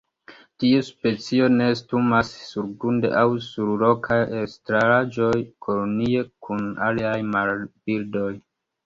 Tiu specio nestumas surgrunde aŭ sur rokaj elstaraĵoj kolonie kun aliaj marbirdoj.